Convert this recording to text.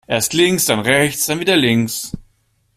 Erst links, dann rechts und dann wieder links.